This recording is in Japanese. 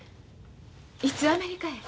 いつアメリカへ？